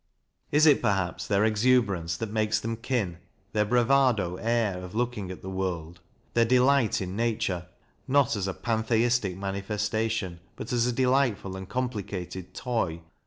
Is it, perhaps, their exuberance that makes them kin, their bravado air of looking at the world, their delight in Nature, not as a pantheistic manifestation, but as a delightful and complicated toy?